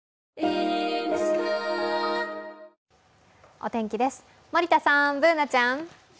お天気です、森田さん、Ｂｏｏｎａちゃん。